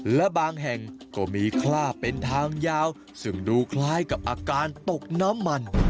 และบางแห่งก็มีคลาบเป็นทางยาวซึ่งดูคล้ายกับอาการตกน้ำมัน